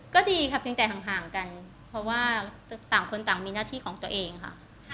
ก็ดีค่ะเพียงแต่ห่างกันเพราะว่าต่างคนต่างมีหน้าที่ของตัวเองค่ะ